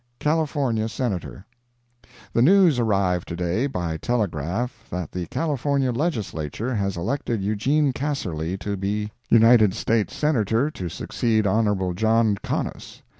California Senator. The news arrived to day by telegraph that the California Legislature has elected Eugene Casserly to be United States Senator to succeed Hon. John Conness.